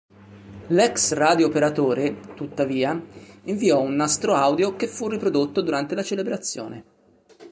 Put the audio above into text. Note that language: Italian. L'ex radio-operatore, tuttavia, inviò un nastro audio che fu riprodotto durante la celebrazione.